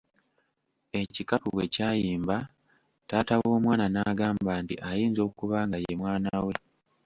Ekikapu bwe kyayimba, taata w’omwana nagamba nti ayinza okuba nga ye mwana we.